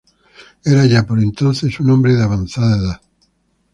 Era ya por entonces un hombre de avanzada edad.